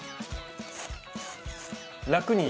楽に。